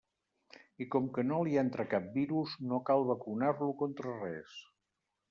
I com que no li entra cap virus, no cal vacunar-lo contra res.